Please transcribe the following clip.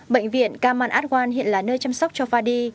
bệnh viện kaman atwan hiện là nơi chăm sóc cho fadi